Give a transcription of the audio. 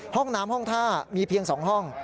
ห้องน้ำห้องท่ามีเพียง๒ห้อง